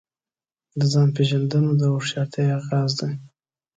د خپل ځان پیژندنه د هوښیارتیا آغاز دی.